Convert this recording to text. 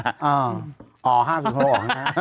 อ๋อ๕๐๖ข้างหน้า